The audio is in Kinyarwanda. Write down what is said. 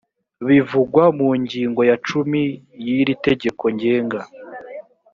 bivugwa mu ngingo ya cumi y’ iri tegeko ngenga